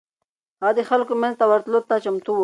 هغه د خلکو منځ ته ورتلو ته چمتو و.